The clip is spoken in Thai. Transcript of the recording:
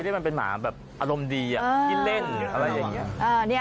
คือมันเป็นหมาแบบอารมณ์ดีอ่ะที่เล่นอะไรอย่างเงี้ยเออเนี้ย